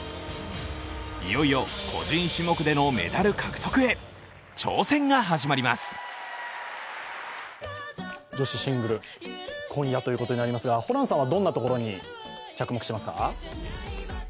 いよいよ個人種目でのメダル獲得へ女子シングル、今夜ということになりますが、ホランさんはどんなところに着目してますか？